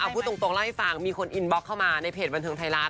พูดตรงเล่าให้ฟังมีคนอินบล็อกเข้ามาในเพจบันเทิงไทยรัฐ